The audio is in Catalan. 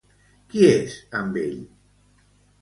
Qui és amb ell?